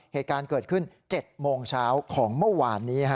เหตุการณ์เกิดขึ้น๗โมงเช้าของเมื่อวานนี้